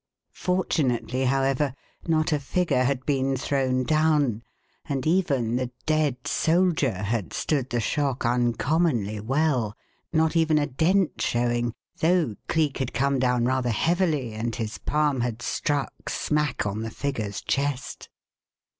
Fortunately, however, not a figure had been thrown down, and even the "dead soldier" had stood the shock uncommonly well, not even a dent showing, though Cleek had come down rather heavily and his palm had struck smack on the figure's chest. "Tut!